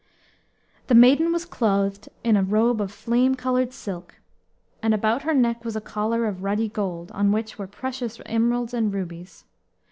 The maiden was clothed in a robe of flame colored silk, and about her neck was a collar of ruddy gold, on which were precious emeralds and rubies.